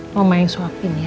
mama yang suapin ya